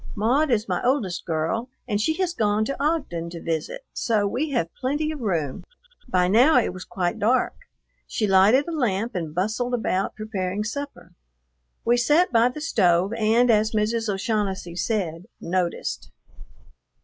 Maud is my oldest girl and she has gone to Ogden to visit, so we have plenty of room." By now it was quite dark. She lighted a lamp and bustled about, preparing supper. We sat by the stove and, as Mrs. O'Shaughnessy said, "noticed."